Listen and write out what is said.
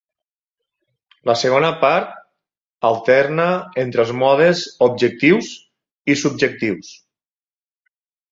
La segona part alterna entre els modes objectius i subjectius.